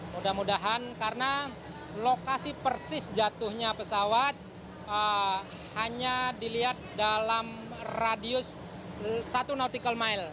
mudah mudahan karena lokasi persis jatuhnya pesawat hanya dilihat dalam radius satu nautical mile